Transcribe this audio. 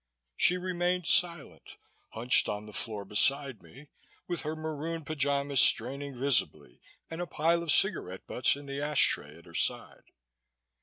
She remained silent, hunched on the floor beside me, with her maroon pyjamas straining visibly and a pile of cigarette butts in the ash tray at her side.